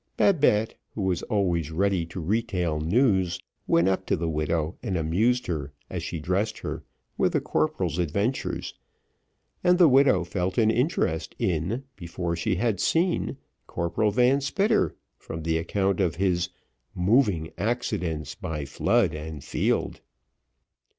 Babette, who was always ready to retail news, went up to the widow, and amused her, as she dressed her, with the corporal's adventures, and the widow felt an interest in, before she had seen, Corporal Van Spitter, from the account of his "moving accidents by flood and field."